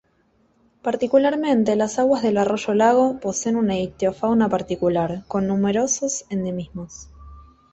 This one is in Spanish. Particularmente, las aguas del arroyo-lago poseen una ictiofauna particular, con numerosos endemismos.